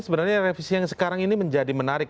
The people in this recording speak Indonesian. sebenarnya revisi yang sekarang ini menjadi menarik